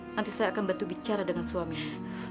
nanti saya akan bantu bicara dengan suaminya